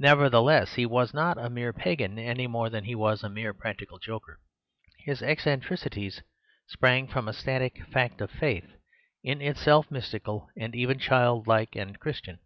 Nevertheless he was not a mere pagan any more than he was a mere practical joker. His eccentricities sprang from a static fact of faith, in itself mystical, and even childlike and Christian.